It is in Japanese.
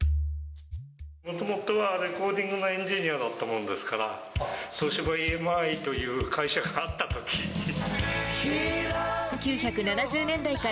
もともとはレコーディングのエンジニアだったものですから、東芝ＥＭＩという会社があったときに。